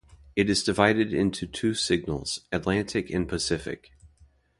It is divided into two signals: Atlantic and Pacific.